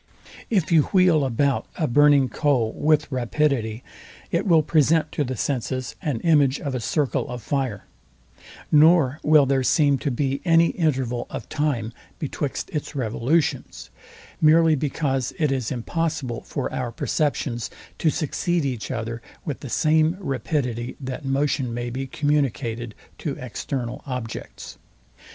If you wheel about a burning coal with rapidity, it will present to the senses an image of a circle of fire; nor will there seem to be any interval of time betwixt its revolutions; meerly because it is impossible for our perceptions to succeed each other with the same rapidity, that motion may be communicated to external objects.